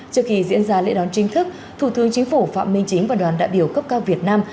trước khi diễn ra lễ đón chính thức thủ tướng chính phủ phạm minh chính và đoàn đại biểu cấp cao việt nam